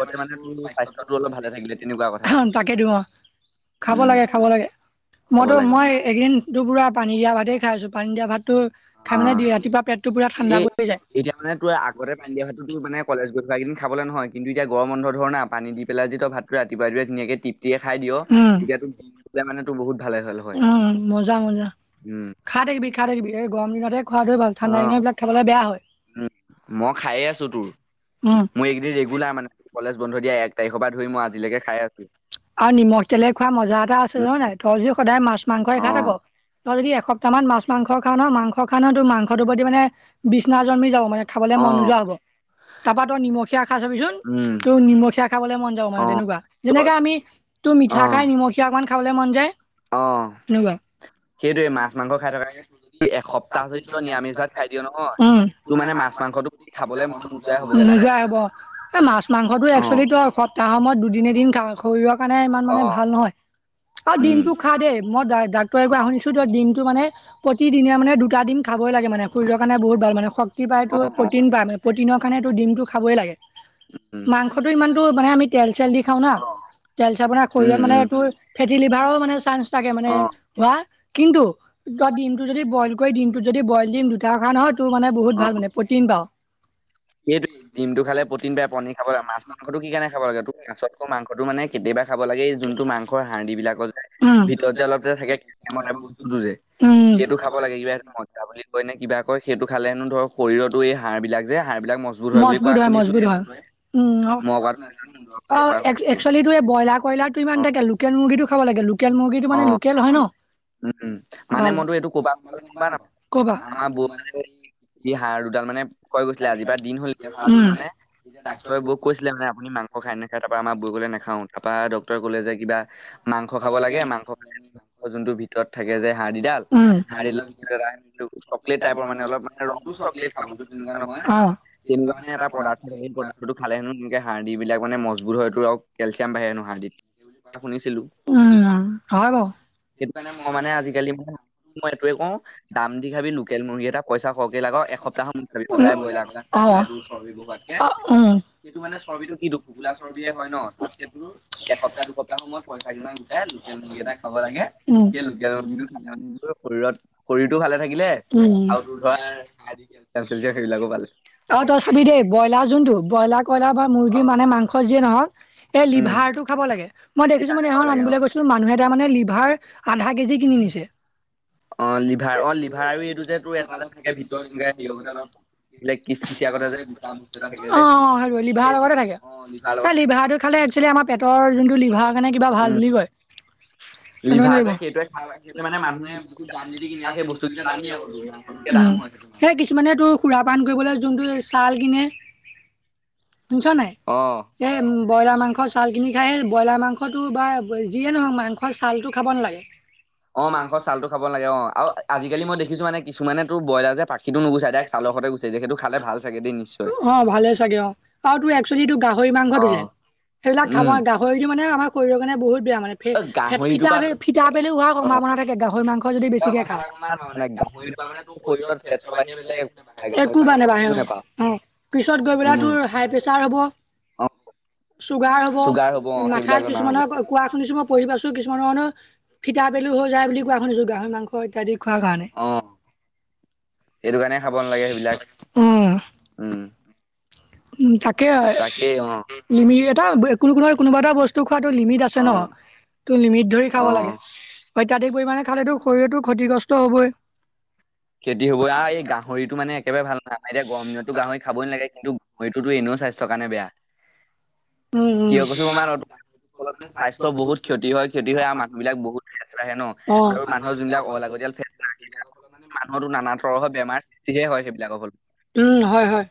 লগতে মানে তোৰ স্বাস্থ্যটো অলপ ভালে থাকিলে তেনেকুৱা কথা তাকে দিওঁ খাব উম লাগে খাব লাগে খাব মইতো লাগে মই এইকেইদিন দুপুৰা পানী দিয়া ভাত খাই আছো পানী দিয়া ভাতটো খাই অ মানে ৰাতিপুৱা পেটটো পুৰা ঠাণ্ডা এই পৰি যায়। এতিয়া মানে তোৰ আগতে পিন্ধি অহাটো মানে কলেজ গৈ কেইদিন খাবলৈ নহয় কিন্তু এয়া গৰম বন্ধ ধৰণা পানী দি পেলাই যি ত ভাতটো ৰাতিপুৱা ধুনাকে টিপ তিয়ে খাই দিয় তেতিয়া মানে তোৰ বহুত ভালে হল হয়। ভাল লাগে। উম মজা মজা উম খাই থাকিবি খাই থাকিবি এই গম দিনতে খোৱাটো ভাল ঠাণ্ডা দিন অ', এইবিলাক খাবলৈ বেয়া হয়। উম, মই খায়ে আছো তোৰ, উম মোৰ মই এইকেইদিন ৰেগিনা ৰেগুলাৰ মানে কলেজ বন্ধ দিয়া এক তাৰিখৰ পৰা ধৰি মই আজি লৈকে খাই আছো। আৰু নিমখ তেলে খোৱা মজা এটা আছে উম, নহয় নাই তই যি সদায় মাছ মাংসই খাই থাক। অ'। তই যদি এসপ্তাহ মান মাছ মাং খান ন মাংস খান ন তো মাংসটো প্ৰতি মানে বিচনা জন্মি যাব মানে খাবলে মন অ', নোযোৱা হব তাৰপা তই নিমখীয়া খাই চাবিচোন উম, ত নিমখীয়া খাবলৈ মন যাব মানে অ', তেনেকুৱা। ত যেনেকে আমি তোৰ মিঠা অ'। খাই নিমখীয়া অকমান খাবলে মন যায়। অ', এনেকুৱা সেইটো সেইটোৱে মাছ মাংস মাংসক খাই থকা কেতিয়াবাকে এই এসপ্তাহ এসপ্তাহকে যদি তই নিৰামিষ নিয়ামিজ ভাত খাই দিয় নহয়, উ তোৰ মাছ মানে মাংস মাংসটো প্ৰতি খাবলে মন নোযোৱাই নোযোৱা হ'বগে লাহে নোযোৱাই লাহে, হব। এ মাছ মাংসটো অ', এক্চুৱেলি তো সপ্তাহ সময়ত দুদিন এদিন শৰীৰৰ কাৰণে ইমান মানে অ', ভাল নহয়। আৰু উম। দিমটো খা দেই মই ডাক্তৰে শুনিছো দিমটো মানে প্ৰতিদিনে মানে দুটা দিম খাবই লাগে মানে শৰীৰৰ কাৰণে বহুত ভাল মানে শক্তি অ', পায়তো অ', প্ৰ'টিন পায় মানে প্ৰ'টিনৰ কাৰণেটো ডিমটো খাবই লাগে। উম, মাংসটো ইমানতো মানে আমি তেল চেল দি খাওঁ না। অ', ছে আপোনাৰ উম, শৰীৰত মানে উম, এইটো ফেটি লিভাৰও মানে চান্স থাকে মানে অ', হোৱা। কিন্তু ত দিমটো যদি বইল কৰি দিনটোত যদি বইল দিম তেওঁ কাৰণে হয় তোৰ মানে বহুত অ'। ভাল মানে প্ৰ'টিন পাওঁ সেইটো দিমটো খালে প্ৰ'টিন পায়, পনী খাব লাগে মাছ মাংসটো কি কাৰনে খাব লাগে ত। মাছতকৌ মাংসটো মানে কেতিয়াবা খাব লাগে যোনটো মাংসৰ হাৰ্ডদি বিলাকৰ যে য'ত ভিতৰত যে অলপ যে থাকে টম বস্তুটো যে সেইটো খাব লাগে কিবা সটো মদা বুলি কয় নে কিবা কয় সেইটো খালে হেনো ধৰক শৰীৰতো এই হাৰ বিলাক যে হা এইবলাক মজবুত হয় বুলি কোৱা শুনিছো উম মই কোৱা অ তোমালোকে কোৱা শুনিছো একচুৱেলি টো এই ব্ৰইলাৰ কইলাৰ টো অ ইমানাকে লোকেল মুৰ্গীটো খাব লাগে লোকেল মুৰ্গীটো অ মানে লোকেল হয় ন উম মানে ভাল মনটো হয় এইটো কবব ন আমাৰ ক'বা ই হাড় দুডাল মানে কৈ গৈছে। ছিলে আজিৰ পৰা দিন হ'ল উম মানে ব কৈছিলে মে আপুনি মাংস খাই নাখায় তাৰপৰা আমাৰ বৌ'কলে নাখাওঁ তাপৰা ডক্তৰে কলে যে কিবা মাংস খাব লাগে মাংস খালে যোনটো ভিতৰত থাকে যে হাদি ডাল উম চকলেট টাইপ মানে অলপ চকলেট খালে অ তেনেকে এটা পদাৰ্থ পদাৰ্থটো খালে হেনো এনেক হাড় দি বিলাক মানে মজবুত হয়টো চাম বাঢ়ে হেনো হাৰ্ডিত শুনিছিলো উম হয় বাৰু মানে আজিকালি মানে মই এইটোৱে কওঁ দাম দি খাবি লোকেল মুৰ্গী এটা পইচা খৰহকে ল লগাওঁ এসপ্তাহ ম খাবি উ সদায় ব্ৰইলাৰ খাবি অ উম এইটো মানে চৰ্বিতটো কি কিটো দুখ কোলা চৰ্বিয়ে হয় ন এসপ্তাহ দুসপ্তাহ সময়ত পইচা দিমান গোটাই লোকেল মুগি এটা খাব লাগে সেই লোকেল মুগী খাব মানে শৰটো ভালে থাকিলে আৰু তোৰ ধৰা কেলচিয়াম সেইবিলাকো পালে অ তই চাবি দেই ব্ৰইলাৰ যোনটো ব্ৰইলাৰ কইলাৰ বা মুৰ্গীৰ মানে মাংস যিয়ে নহক এ উম লিভাৰটো খাব লাগে মই দেখিছো লিভাৰ মান খাব এখন লাগে অ আনিবলৈ গৈছিলো মানুহে তাৰমানে লিভাৰ আধা কেজি কিনিছে। অ লিভাৰ অ অঁ লিভাৰ আৰু এই এইটো যে তোৰ এটা যে এটাতে থাকে ভিতৰত সে সেতে থাকিলে অলপ অ হেই কিচকিচিয়া কটা যে থাকে যে, লিভাৰ লগতে থাকে তাৰ লগত এই লিভাটো খালে এক্সেলী আমাৰ পেটৰ লিভাৰ কাৰণে কিবা ভাল উম বুলি কয় সেইোৱে সেইটোৱে মানে মানুহে বহুত দাম যদি কিনি আৰু সেই বস্তু বস্তুকেইটা আমি দামেই আ সেই কিছুমানে তোৰ খুৰা পান কৰিবলৈ যোনটো ছাল কিনে শুনিছ নাই অ এ ব্ৰইলাৰ মাংস চাল কিনি খাই ব্ৰইলাৰ মাংসটো বা যিয়ে নহওক মাংস চালটো খাব নালাগে। অ মাংস চাল টো খাব লাগে অ আৰু আজি কালি মই দেখিছো মানে কিছুমানে তোৰ ব্ৰইলাৰ যে পাখিটো নুগোছাই দাৰেক চাল তে গুচি যায় যিহেতু খালে ভাল চাগে দেই নিশ্চয়। অ' ভালে চাগে অ' আৰু ত এক্চুৱেলিটো গাহৰি মাংসটো অ যে সেইবিলাক খাব উম, গাহৰিটো মানে আমাৰ শৰিৰ কাৰণে বহুত বেয়া মানে ফি অ, গাহৰিটোৰ পৰা ফিটা পেলু হোৱা অ, সম্ভবনা থাকে গাহৰি মাংস হয় যদি বেছিকে খাওঁ, মানে গাহৰিটো শৰীৰত ফেট একো নাবাঢ়ে। নাপাওঁ অ পিছত গৈ পেলাই তোৰ হাই প্ৰেচাৰ হ'ব। অঁ চুগাৰ হ'ব মাথাত কিছুমানৰ কোৱা শুনিছো মই পঢ়ি পাইছো কিছুমানৰ মানুহৰ ফিটা পেলু হৈ যায় বুলি কোৱা শুনিছো গাহৰি মাংস ইত্যাদি খোৱাৰ কাৰণে। অ, সেইটো কাৰণে খাব নালাগে সেইবিলাক উম উম, উম তাকে, তাকেই অ, নিমিৰি এটা কোনো ক কোনোবা এটা বস্তু লিমিট আছে অ, ন। ত লিমিট ধৰি খাব অ, লাগে অত্যধিক পৰিমাণে খালো শৰীৰতো ক্ষতিগ্ৰস্ত হবই। খেতি হব আৰু এই গাহৰিটো মানে একেবাৰে ভাল নহাই আমাৰ এতিয়া গৰম দিনতো গাহৰি খাবই নালাগে কিন্তু। সেইটোতো এনেও স্বাস্থ্যৰ কাৰণে বেয়া কিয় তেওঁতো কৈছা জানা। ফলত স্বাস্থ্য বহুত ক্ষতি হয় ক্ষতি হয় আৰু মানুহ বিলাক বহুত আহে ন আৰু মানুহৰ যোনবিলাক অলাগতিয়ালে। মানুহৰো নানা ধৰৰ বেমাৰ সৃষ্টিহে হয়, সেইবিলাকৰ হল। উম, হয় হয়।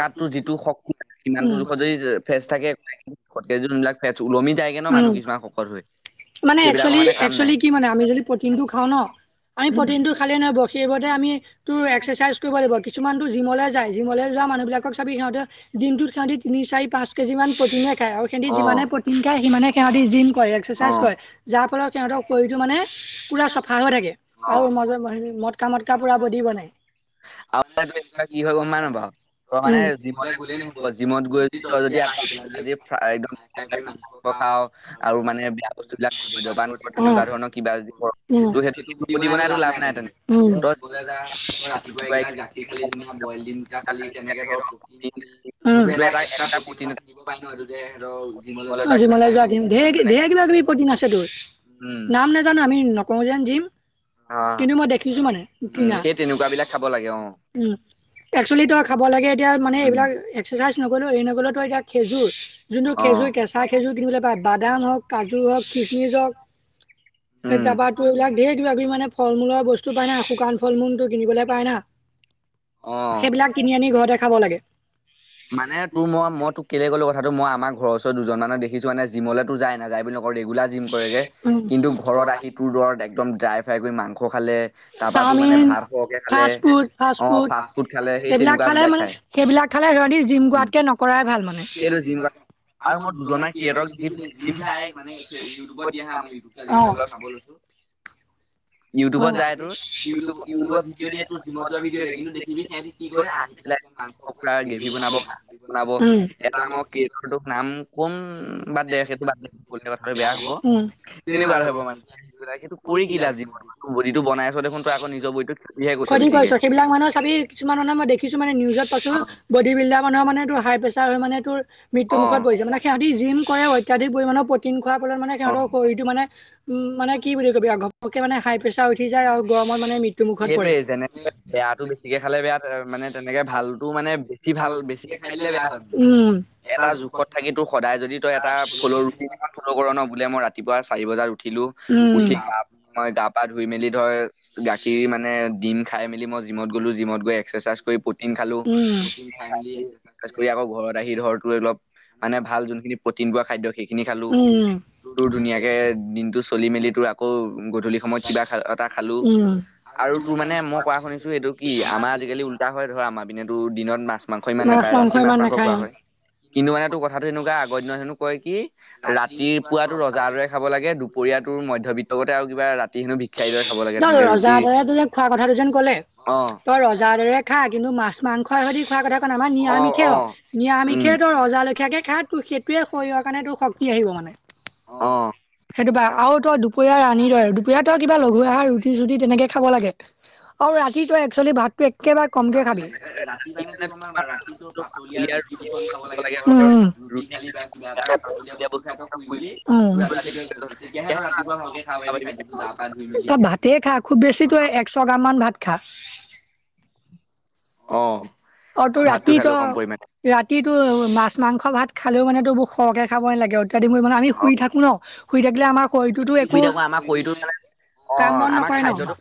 গাতটো যিটো শক্তি সিমান টো ফেচ থাকেেই যবিলাক ফেচ ওলমি যায়গে ন মানুহ কিছুমান শকত হৈ মানে একেল সেইবিলাকৰ মানে কাম একচেল নাই। কি মানে আমি যদি প্ৰটিনটো খাওঁ নি প্ৰটিন টো খালেই নহব সেইবতে আমি এক্সাৰচাইজ কৰিব লাগিব কিছুমান ো জিমলৈ যায় জিমলৈ যোৱা মানুহ বিলাক কওক চাবি সিঁততে দি িমটোত সিহঁতি চাৰি পাঁচ কেজিান প্ৰটিনে খায় আৰু সিহতি যিমানে অ', প্ৰটিন খ সিে সিহঁতি দিন কৰে এক্সাৰচাইজ অ', কৰে যাৰ ফলত সিহঁতৰ কৰিটো মানে পূৰা চফা হৈ থাকে আৰু অ', মই যে হেৰি মটকা-মটকা পূৰা বডি বনাই। আৰু মানে এনেকুৱা কিবা কি হয় গম পাৱ নাপাৱ? তই মানে আকমান জিম জিমলে গলেই নহব, জিম জিমত গৈ ত তই যদি আমাৰ আকৌ সেই একম গ্ৰাই আজি ফ্ৰা- একদম ফাই কৰি মাংস খাও খাৱ আৰু মানে বেয়া বস্তু বিলাক বস্তুবিলাক খ ান মদ্যপান কৰ কৰি কা তেনেকুৱা ধৰণৰ কিবা যদি কৰ য তোৰ কৰ সেইটো বডি বনটো বনাই তোৰ লাভ নাই তেনে তেনেকে তই া ৰাতিপুৱা এগিলা গাখি খালি দিনা এইকেইটা বইলকটা খালি তেনেকে ধৰ প্ৰটিন খাল কিন্তু িমমেৰেৰ এটা এক্সট্ৰা প্ৰটিন কিবা এটা জিমলৈ যোৱা মানে কিবি প্ৰিন আছে তোৰ উম নাম নাজানো আমি নকওঁ যোন যিম অ কিন্তু মই দেখিছো মানে উম কিনা সেই তেনেকুৱা বিলাক খাব লাগে অ উম একচলি ত খাব লাগে এতিয়া মানে উম এইবিলাক এক্াৰচাইজ নক'ো এই নক'লে তো এতিয়া খেজুৰ যোনটো অ খেজুৰ কেঁচা খেজুৰ কিনিবলৈ পা বাদাম হওক কাজু হওক খচমিচ হওক এ উম তাৰাপাৰা তোৰ এইবিলাক ধেৰ কিবা কিবি মানে ফল মূৰ বস্তু পাই নাই শুকান ফল মূলো কিনিবলৈ পায় না অ সেইবিলাক কিনি আনি ঘৰতে খাব লাগ মান তোৰ মই তোক কেলে গ'ো কথাটো মই আমাৰ ঘৰ ওচৰজন মানে দেখিছো এনেেিমলৈ ত য না যাই বুলি ৰেগুলাৰ জিম কৰেনে কিন্ত ঘৰত আহি খালে খালে তাৰাপাতো মানে ভাত সহকে খালে অ ফ্ৰুট, ফাষ্ট ফুড খালে সেই সেইবিলাক তেনেকুৱা খালে বিলাক মানে খায় সেইবিলাক খালে সিহঁতি জিম উম, গোৱাতকে নকৰাই ভাল মানে। সেইটো জিম কৰা আৰু মোৰ মই দুজনে দুজনা কি ক্ৰিয়েটৰক সিহঁতক পিনে দেখিছো জিম যায়, নাই মানে এইটোয়ে ইউটিউবত দিয়ে হা মই চাব লৈছো [inaudible] ইউটিউবত যায় তোৰ, ইিউিউত [unintelligible] এ পকৰা, গ্ৰেভি বনাব, ক বনাব এটা মই [unintelligible] নাম কোন উম, বাদ দে সেইটো বাদ দে বো কথাটো বেয়া হ'ব, উম। তেনেকুৱা আৰু হব মানুহ। সেইটো কৰি কি লাভ? যি বডীটো বনাই আছ দেখোন তই আকৌ নিৰ বডীটো খ কৈছ, সেইবিলাক মানুহৰ চাবি কিছুমান মানে মই দেখিছো মানে নিউজত পাইছো বডী বিল্ডাৰ মানুহ মানেটো হাই প্ৰেচাৰ হয় মানে তোৰ মৃত্যু মুখত অ', পৰিছে, মানে সিহতি জিম কৰে অত্যাধিক পৰিমাণৰ পতিন খ ফলত মানে অ'। সিহতৰ শৰটো মানে, উ মানে কি বুলি কবি আকৌ একে মানে হাই প্ৰেচাৰ উঠি যাই আও গৰমত মানে মৃত্যু মুখত পৰে। সেইটোৱেই যেনেকে বেয়াতটো বেছিকে খালে বেয়া, মানে তেনেকে ভালতো মানে বেছি ভাল বেছিকে খাই দিলে বেয়া। উম এটা জোখত থাকি তোৰ সদায় যদি তই এটা ফুলৰ ৰুটি কৰ ন, বোলে মই ৰাতিুৱা চাৰি বাজাত উঠো, উঠি উম। গা মই গা পা ধুই মি ধৰ গাখীৰ মানে ডিম খাই মেলি মই জিমত গলো, জিমত গৈ এক্সাৰচাইজ কৰি পতিন খালো। উম [unintelligible] কৰি আকৌ ঘৰত আহি ধৰ অলপ মানে ভাল যোনখিনি প্ৰটিন পোৱা খাদ্য সেইখিনি খালো। উম। তোৰ ধুনীয়াকে দিনতটো চলি মেলি তোৰ আকৌ গধূলি সময়ত কিবা খা এটা খালো, উম। আৰু তোৰ আৰু তোৰ মানে মই কোৱা শুনিছো এইটো কি আমাৰ আজিকালি তা হয় ধৰ আমাৰ পিনে, তোৰ দিনত মাছ-মাংস ইমান মাছ নেপায় মাংস ৰাতি ইমান মাছ-মাংস নাখায় খোৱা অ, হয়। কিন্তু মানে তোৰ কথাটো সেনেকুৱা আগৰ দিনত হেনো কয় কি, ৰাতিৰ পোৱাটো ৰজাৰ দৰে খাব লাগে, দুপৰীয়াটোৰ মধ্যবিত্তকতে আৰু কিবা ৰাতি হেনো ভিক্ষাৰীৰ দৰে খাব লাগে তেনেকে ৰুটি ৰজাদাৰে ত যে খোৱা কথাটো যে কলে অ তই ৰজা দৰে খা কিন্তু মাছ মাংস এহি খোৱাৰ কথা কোৱা নাই, আমাৰ অ নিৰামিষে অ হওঁক উম নিৰামিষে তোৰ ৰজালখীয়াকে খা তোৰ সে শৰীৰৰ কাৰণে তোৰ শক্তি আহিব মানে। অ', সেইটো পাৰা আৰু তই দুপৰীয়াৰ ৰা দুপৰীয়া তই কিবা লঘু আহাৰ ৰুটি-চুটি তেনেকে খাব লাগে আৰু ৰাতি তই একচলি ভাতো একেবাৰে কমকে খাবি। এ ৰাতি মানে [unintelligible] ৰাতিটো তোমাৰ পাতলীয়া ৰুতি দুখন খাব লাগে ধৰ। উম পাতলীয়া বস্তু শুই উম। তেতিয়াহে তই ৰাতিপুৱা ভালকে খাব পাৰিবি ৰাতি খাদ্য খাব তই পাৰিবি। ভাতেই খা, খুব বেছি তই একচ গাম মান ভাত খা। অ অ', তোৰ ভাতটো ৰাতি ত, খালেও কম পৰিমাণে ৰাতি ইটো মাছ মাংস ভাত খালেও মানে তোৰ বহু সৰহকৈ খাব নালাগে অ [unintelligible] মানে আমি অ শুই থাকো ন, শুই থাকিলে আমাৰ শৰীৰটোতো একো শুই থাকো আমাৰ শৰীৰটো মানে অ কাম বন আমাৰ নকৰে ন? খাদ্যটো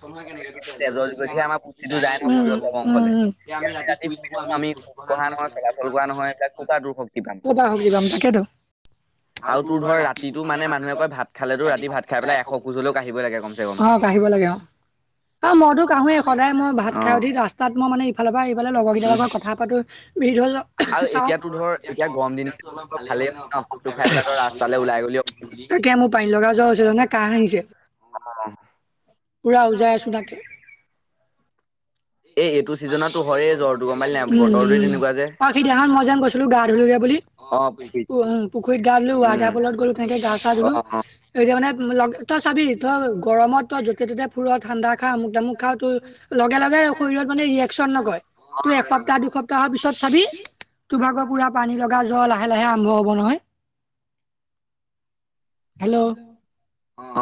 তেজৰ যোগেদিহে আমাৰ পুষ্টিটো যায় ন শৰীৰৰ চব অংশলে। উম'-উম'। এতিয়া আমি ৰাতি শুই থাকো আমি খোজ কঢ়া নহয়, চলাচল কৰা নহয় এইবিলাক ক'ৰ পৰা তোৰ শক্তি পাম। নহয় [unintelligible] তাকেতো আৰু তোৰ ধৰ ৰাতিটো মানে মানুহে কয় ভাত খালেতো ৰাতি ভাত খাই পেলাই এশ খোজ হলেও কাঢ়িবই লাগে কমচে কম। আৰু মইতো কাঢ়োৱেই, সদায় মই ভাত খাই উঠি ৰাস্তাত মই মানে ইফালৰ পৰা সিফাল লগৰ কিটাৰ উম লগত কথা পাতো। [unintelligible] চাও। মানে ধৰ এতিয়া গৰম দিন কেইটাতো অলপ ভালেই হয় ন ভাতটো খাই পেলাই সেই ৰাস্তালৈ ওলাই গলো। একে মোৰ পানী লগা জ্বৰ হৈ জ পুৰা উজাই আছো [unintelligible] [inaudible] উম, আৰু পালি নাই বতৰটোৱে তেনেকুৱা যে। সিদিনাখন মই যেন গৈছিলো গা ধুলো যে পুখুৰীত। অ পুখুৰীত গা ধোলো, উম ৱাটাৰ ফলত গ'লো তেনেকে গা চা অ ধুলো অ তাৰ মানে লগ, তই চাবি তই গৰমত তই যতে-ততে ফুৰ, ঠাণ্ডা খা, আমোক-তামোক খা তোৰ লগে লগে শৰীৰত মানে ৰিয়েকশচন নকয়, তোৰ এসপ্তাহ-দুসপ্তাহৰ পিছত চাবি তোৰ ভাগৰ পুৰা পানী লগা জ্বৰ লাহে-লাহে জ্বৰ হব নহয়। হেল্ল'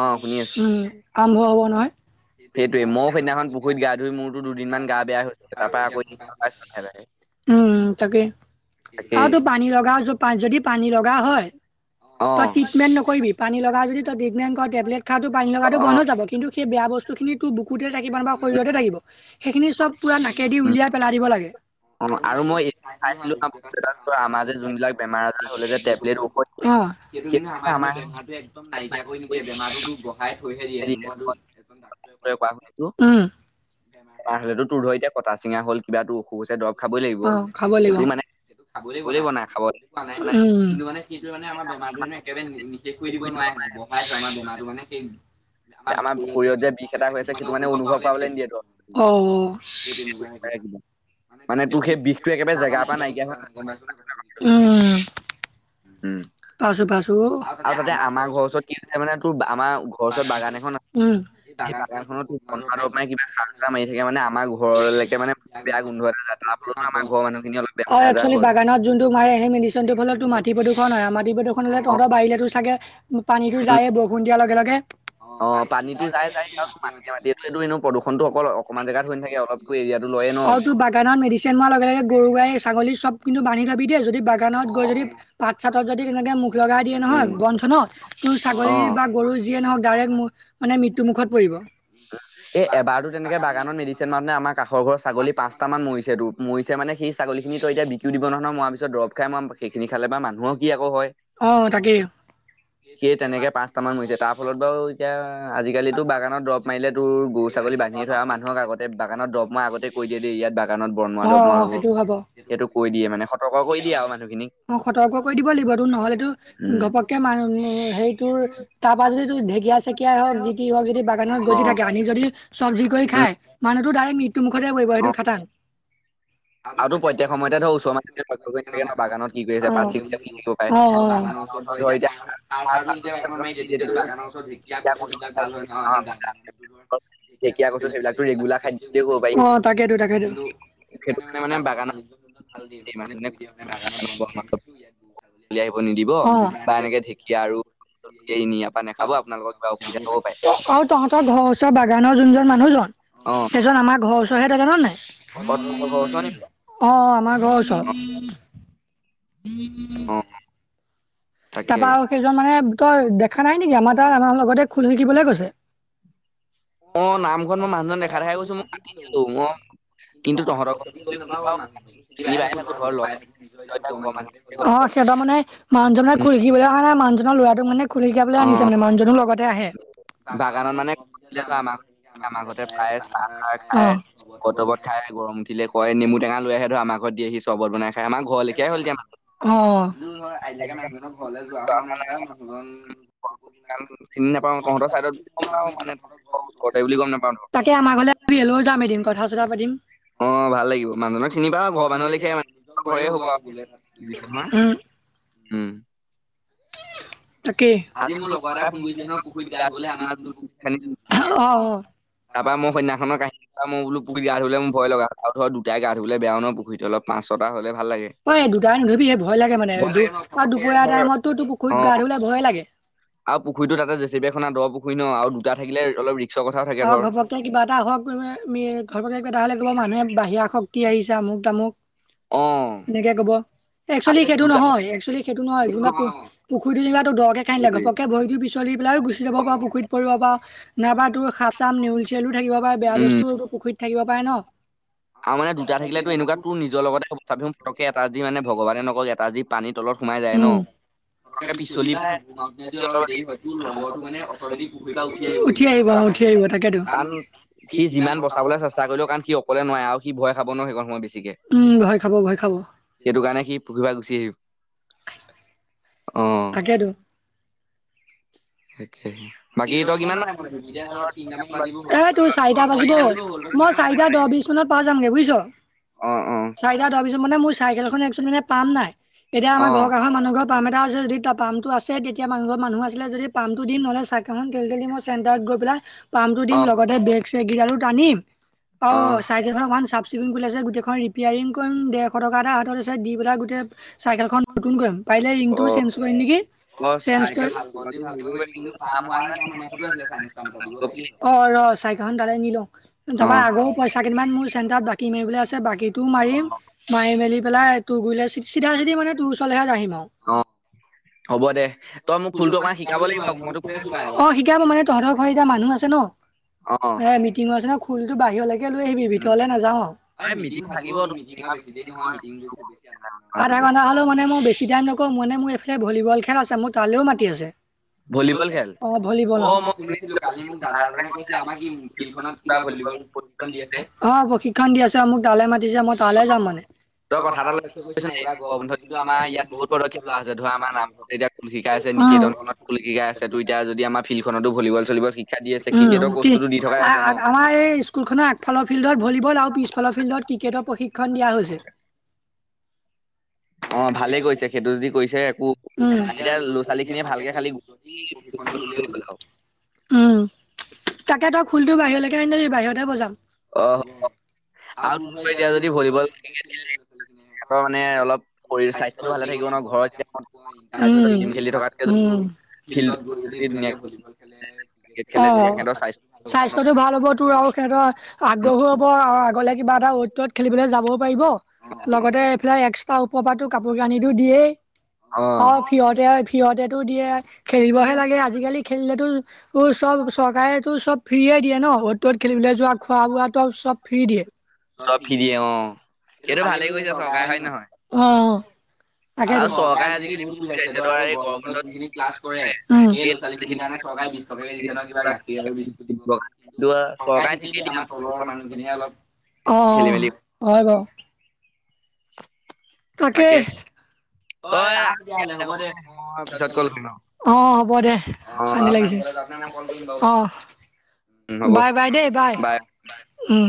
অ শুনি আছো। আৰম্ভ হব নহয়। সেইটোৱে মই মইও সেইদিনাখন পুখুৰীত গা ধুই মোৰতো দুদিনমান বেয়া [unintelligible] গা বেয়া হৈছিলে তাৰ পৰা আকৌ ৰিহাল বেয়াকা পাইছো লাহে লাহে উম', তাকে আৰু তাকেই তো পানী লগা যদি পানী লগা হয়। অ তই ট্ৰিটমেণ্ট নকৰিবি? পানী লগা যদি ট্ৰিটমেণ্ট টেবলেট খা তোৰ পানী লগাটো অ বন্ধ হৈ যাব কিন্তু সেই বেয়া বস্তুিনি তো বুকুতে থাকিব ন শৰীৰতে থাকিব, সেইখিনি চব পুৰা নাকেদি উম, উলিয়াই পেলাই দিব লাগে। অ', আৰু মই চাইছিলো বস্তু এটা আমাৰ যে যোনবিলাক বেমাৰ আজাৰ টেবলেট [inaudible] সেইটো কিন্তু আমাৰ সেইবিলাক সেনো হেনো বেমাৰটো একদম নাই [inaudible] নাইকিয়া কৰি নিদিয়ে মই বেমাৰতো বঢ়াই থৈ হেদিয়ে হেনো মইতো [inaudible] হেল্ল? [inaudible] [unintelligible] কটা চিঙা হল কিবা তোৰ অসুখ পঢ়া শুনা হৈছে দৰৱ কৰি খাবই লাগিব খাব লাগিব। সেইটো মানে খাব লাগিব নাই কোৱা নাই কিন্তু মানেইটো মানে আমাৰ বেমাৰটোে একেবাৰে নিশেষ কৰি দিব নোৱাৰে বঢ়াই থয় আমাৰ বেমাৰটো মানে ে খ [unintelligible] আমাৰ আমাৰুল যে শৰীৰত বিষ এটা হৈ আছে বিিনা সেইটো মানে অনুভৱ পা নকি পাবলৈ নিদিয়ে দৰৱ তেকুৱে কিবা [unintelligible] মানে তোৰ সেই বিষটো জেগাৰ পৰা মাৰি দিয়া হৈ নাজায় গম পাইছ ন? উম'। উম'। পাইছো পাইছো অ'। আৰু তাতে আমাৰ ঘৰৰ ওচৰত কি আছে মানে তোৰ আমাৰ ঘৰৰ ওচৰত বাগান এখন আছে উম। এই বাগানখনত বন মৰা দৰব মাৰে কিবা সাৰ চাৰ মাৰি থাকে মানে আমাৰ ঘৰলৈকে মানে বেয়া গোন্ধ যায় তাৰ ফলতো আমাৰ ঘৰৰ মানুহখিনি অলপ অ', বেমাৰ আজাৰ একচলি হয়। বাগানত যোনটো মাৰে সেই মেডিচনৰ ফলত মাটিৰ প্ৰদুষন হয় নহয় মাটি প্ৰদুষন হ'লে অ তহঁতৰ বাৰিলেতো ছাগে পানীতো উম যায়ে বৰষুণ দিয়াৰ লগে-লগে? অ', পানীতো যায়-যায়। কেনে মাটিয়ে-মাটিটো এইটো এনে প্ৰদূষণত অকল অকনমান জেগাত হৈ নথাকে অলপ গৈ ইয়াতটো লয় [inaudible] আৰু তোৰ বাগানত মেডিচিন মাৰাৰ লগে-লগে গৰু গাই ছাগলী চব কিন্তু বান্ধি থবি দেই যদি বাগানত গৈ যদি পাত চাতত যদি তেনেকে মুখ লগাই দিয়ে নহয় উম বন চনত তোৰ অ ছাগলী বা গৰু যিয়ে নহ ডাইৰেক্ মানে মৃত্যু মুুখত পৰিব। এ এবাৰ তো তেনে এনেকে বাগানত মেদিচিন মাৰোতে আমাৰ কাষৰৰ ছাগলী পাঁছটামান মৰিছে মৰিছে মানে সেই ছাগলীখিনি এতিয়া বিক্ৰী দিব মাৰ পিছত দৰব খাই ম সেইখিনি খালে বা মানুহৰ কি আকৌ হয়? অ তাকেই সেই তেনেকে পাঁচটামান মৰিছে তাৰ ফলত বাৰু এতিয়া আজিকালিতো বাগানত দৰৱ মাৰিলেতো গৰু ছাগলী বন্ধিয়ে থয় আৰু মানুহক আগতে বাগানত দৰৱ মৰা আগতে কৈ দিয়ে দেই ইয়াত বাগানত বন মৰা অ দৰৱ অ মৰা সেইটো হ'ব সেইটো কৈ দিয়ে মানে সতৰ্ক কৰি দিয়ে আৰু মানুহখিনিক। অ সতৰ্ক কৰি দিব লাগিবটো নহলেতো ঘপককে মান হেৰি তোৰ তাৰপা যদি ঢেকীয়া ঢেঁকিয়াই হওঁক যি টি হওঁক যদি বান অ গছি থাকে আনি যদি চব্জি কৰি উম খাই মানুহটো ডাইৰেক্ মৃত্যু মুখতে পৰিব সেইটো খাটাং। আৰুটো প্ৰত্যেক সময়তে ওচৰৰ মানুহখিনীয়ে লক্ষ্য কৰি নেথাকে ন বাগানত কি কৰি আছে অ'-অ'। পাত বাগানৰ ছিঙিছে বুলি থাকিব পাৰে। ওচৰত ধৰ এতিয়া সাৰ [unintelligible] মাৰি দিয়ে তেতিয়াটো বাগান ওচৰত শিক ঢেঁকীয়া কচু সেইবিলাক ভাল হয় চাৰটো ন আমাৰ ঢেকীয়া কচু সেইবিলাকতো ৰেগুলাৰ খাদ্য বুলিয়ে ক'ব পাৰি অ', তাকেইতো-তাকেটো। সেইটো কাৰণে মানে বাগানত [unintelligible] উলি আহিব নিদিব বা এনেকে ঢেঁকীয়া আৰু ইয়াৰ পৰা নাখাব আপোনালোকৰ কিবা অসুবিধা পাব পাৰে। আৰু তহঁতৰ ঘৰৰ ওচৰৰ বাগানৰ যোনজন মানুহজন? অ সেইজন আমাৰ ঘৰৰ ওচৰ তেখেত জান নাই? ঘৰৰ ওচৰ নি অ', আমাৰ ঘৰৰ ওচৰ। অ'। তাকে তাপা আৰু সেইজন মানে তই দেখা নাই নেকি আমাৰ তাৰ আমাৰ লগতে খোল শিকিবলৈ গৈছে। অ', নামঘৰত মই মানুহজন দেখা দেখা গৈছো মই মাতিছিলো কিন্তু তহঁতৰ ঘৰত গম নাপাও মই চিনি পায়ে থাকো ধৰ লগ ঘৰতাই থাক নিজ ঘৰা এতিয়া ঘৰৰ মানুহ [unintelligible] অ হ'ল। '। সিহঁতৰ মানে মানুহজন মানে উম খুৰিকিবলে অহা নাই ল'ৰাটো মানে খোল শিকাবলৈ অ আনিছে মানে মানুহজনো লগতে আহে। বাগানত মানে গ আমাৰ ঘৰতে থে আমাৰ ঘৰতে খায় প্ৰায় চাহ চাহ তাহ খায় খাই চৰবত লগৰত তৰবত খাই [inaudible] গৰম উঠিলে কয়, নেমু টেঙা লৈ আহে ধৰ আমাৰ ঘৰত দিয়ে হি চৰ্বত বনাই। খাই আমাৰ ঘৰ লেখিয়াই হ'ল অ এতিয়া মানুহজনৰ ঘৰলে যোৱা হোৱা নাই। [unintelligible] কাৰণ চিনি নাপাওঁ তহঁতৰ চাইডত বুলি গম পাওঁ মানে তহঁতৰ ওচৰতে বুলি গম নাপাওঁ ধৰ তাকে আমাৰ ঘৰলে লৈ যাম এদিন কথা- চথা পাতিম। অ ভাল লাগিব মানুজনক চিনি পা ঘৰৰ মানুহ লেখিয়াই ঘৰে হব আৰু উম উম। তাকেই আজি অ [inaudible] তাপা মই সেইদিনাখনৰ কাহি মই বোলো পুখুৰীত গা ধুবলে ভয় লগা, আৰু ধৰ দুটাই গা ধুবলে বেয়া ন পুখুৰীত অলপ পাছ ছটা হলে ভাল লাগে অ দুটাই নুধুবি ভয় লাগে মানে আৰু ভয় দুপৰীয়া ধৰ টাইমতটো তোক অ পুখুৰীত গা ধুুলে ভয় ভয় লাগে। আৰু পুখুৰীটো তাতে জেচিপি এ খনা দহ পুখুৰী ন আৰু দুটা থাকিলে অলপ ৰিক্সৰ কথাও থাকে ধৰ। আমি ঘৰ কটা হলে ক'ব মানুহে বাহিৰা শক্তি আহিছে আমুক -তামুক। অ। এনেকে কব। আৰু একচুৱেলি সেইটো দুটা নহয়, একচুৱেলি সেইটো নহয়, যিবা পুখুৰীতো যেনিবা দকে খাণ্ডিলে সেইটোৱে ঘপকে ভৰি দিওঁ পিছলি পেলাইও গুচি যাব পাৰ পুখুৰীত পৰিব পাৰ নাইবা তোৰ সাঁপ- চাপ নেউল- চিওলো থাকিব পাৰে বেয়া উম বস্তুও পুখুৰীত থাকিব। পাৰে ন। আৰু মানে দুটা থাকিলে তো এনেকুৱা তোৰ নিজৰ লগতে হব চাবিচোন‍ পতককে এটা যি মানে ভগবানে নকৰক এটা যি পানীত তলত সোমাই যায় ন। ফটককে পিছলি চলিবা বা অল দেৰি হয়, তোৰ লগৰটো মানে অটমেটিক পুখুৰী উঠি আহ উঠি আহিব। উঠি আহিব তাকেতো। কাৰণ সি যিমান বচাবলৈ চেষ্টা কৰিলেও কাৰণ সি অকলে নোৱা আৰু সি ভয় খাব ন সেইকণ সময় বেছিকে, উম, ভয় খাব ভয় খাব সেইটোকাৰণে সি পুখুৰীৰৰ পৰা গুচি আহি অ। তাকেতো। তাকেহে এ বাকী তই কিমান তোৰ মান চাৰিটা বাজিব ঐ [inaudible] চাৰিটা দহ-বিছ মানত পাই যামগে বুজিছ। অ অ চাৰিটা দহ -বিছ মানে মোৰ চাইকেল চোন মানে পাম্প নাই। এতিয়া অ আমাৰ ঘৰৰ কাষৰ মানুহ ঘৰ পাম এটা আছে, যদি তাৰ পাম্পটো আ যে তেতিয়া মানুহ ঘৰ মানুহ আছিলে যদি পামটো দিম নহলে চাক কাৰণ তেল -তেল দি মই চেন্টাৰত গৈ পেলাই পাম্পটো অ দিম লগতে বেগ -চেগ কেইডালো টানিম অ, চাইকেল খন পাঁমচা চিকুণ কুলি আছে গোটেইখন ৰিপেয়াৰিং কৰিম, ডেৰশ টকা এটা হাতত আছে, দি পেলাই গোটেই চাইকেলখন নতুন কৰিম। পাৰিলে ৰিংতো অ চেঞ্জ কৰিম নেকি? অ চেঞ্জ চাইকেল কৰি অঁ, ৰ চাইকেলখন তালে নি লওঁ। তাৰ পৰা আগৰো পইচা কেইমান মোৰ চেন্টাৰত বাকী মাৰিবলৈ আছে, বাকীতো মাৰিম। মাৰি মেলি পেলাই তোৰ গলে চি চি চিধা মানে তোৰ ওচৰলৈহে আহিম আৰু। অ, হ'ব দে তই মোক ফুলটো অকণমান শিকাব লাগিব অকমান। অ, শিকাব মানে তহঁতৰ ঘৰ এতিয়া মানুহ আছে ন, অঁ এ মিটিঙো আছে ন খো ত, বাহিৰলৈকে লৈ আহিবি ভিতৰলৈ নাযাওঁ। এই মিটিং থাকিব তোক আধা ঘণ্টা হলে মানে মই বেছি টাইম নক ক মনে মোৰ এইফালে ভলীবল খেল আছে, মোৰ তালৈও মাতি আছে। ভলীবল অ ভলীবল অঁ মই শুনিছিলো শুনিছিলোঁ কালি মোক দাদা এজনে কৈছিলে আমাক কি ফিল্ডখনত ভলীবল ফুটবল খেলে। অ, প্ৰশিক্ষণ দি আছে। মোক তালৈ মাতিছে মই তালে যাম মানে। তই কথা এটা লক্ষ্য কৰিছ নাই এইবাৰ গৰম বন্ধত যোৱা আমাৰ ইয়াত বহুত পদক্ষেপ লোৱা আছে বা আমাৰ গাৱ [inaudible] এতিয়া আছে। নিকেতন কবাত খুলি শিকাই আছে তো এতিয়া যদি আমাৰ ফিল্ডখনতো ভলীবল- চলিবল শিক্ষা দি আছে ক্ৰিকেটৰ বস্তুটো দি থকাই হৈছে ন। আমাৰ এই স্কুলখনৰ আগফালৰ ফিল্ডত ভলীবল আৰু পিছফালৰ ফিল্ডত ক্ৰিকেটৰ প্ৰশিক্ষণ দিয়া হৈছে। অঁ ভালেই কৰিছে সেইটো যদি কৰিছে একো নাই। এতিয়া ল'ৰা ছোৱালীখিনিয়ে ভালকে খালি উম। অঁ আৰু উম। তাকে তই খুলটো বাহিৰলৈকে আনিলি বাহিৰতে বজাম। অ হ'ব। আৰু এতিয়া যদি প খ থাকে ল' ছোৱালীখিনে সিহঁতৰ মানে অল অলপ শৰীৰ স্বাস্থ্যটো ভাল ভালে থাকিব ন ঘৰত যেতিয়া অকণ থাকিব। ৰাতিপুৱা গেম খেলি থকাতকে উম, উম। ফিল্ডত গৈ যদি ধুনীয়াকে ভলীবল খেলে ক্ৰিকেট খেলে তেতিয়া খে সিহঁতৰ স্বাস্থ্য স্বাস্থ্য টো ভাল হ'ব তোৰ আৰু সিহঁতৰ আগ্ৰহো হ'ব আৰু আগলে কিবা এটা ত খেলিবলৈ যাবও পাৰিব লগতে এইফালে এক্সট্ৰা ওপৰ পো কাপোৰ কানি তো দিয়েই। অ অঁ, সিহতে সিহঁতেটো দিয়ে খেলিবহে লাগে আজিকালি খেলিলেতো চব চৰকাৰে তো চব। ফ্ৰী দিয়ে ন অতত খেলিবলৈ যোৱা খোৱা বোৱাটো চব ফ্ৰী দিয়ে। চব ফ্ৰী অঁ সেইটো ভালেই কৰিছে চৰকাৰে হয় নহ। তাকাই আৰু চৰকাৰে আজিকালি বহুতু আছে ধ বুজাইছে ধৰা এই গৰম বন্ধত ক্লাছ। সেই এই ল'ৰা-ছোৱালী খিনিৰ যিখিনি কাৰণে চৰকাৰে বিশ টকাকে দিছে ন কিবা গাখীৰ আৰু বিস্কুট দিব কাৰণে। কিন্ত, চৰকাৰে ঠিকেই দিয়ে আমাৰ তলৰ মানুহখিনিয়ে অলপ অ খেলি মেলি হয় বাৰ [unintelligible] তাকে তই অঁ, আ আহ, তেতিয়া দিয়া, হলে হ'ব দে। মই পিছত কল কৰিম অ অঁ, হ'ব দে অ, সানি লাগিছিল অ। হ'ব বাই, বাই দেই বাই উম।